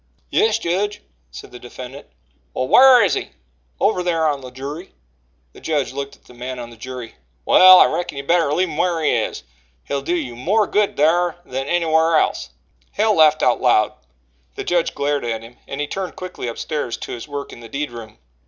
"Yes, jedge," said the defendant. "Well, whar is he?" "Over thar on the jury." The judge looked at the man on the jury. "Well, I reckon you better leave him whar he is. He'll do you more good thar than any whar else." Hale laughed aloud the judge glared at him and he turned quickly upstairs to his work in the deed room.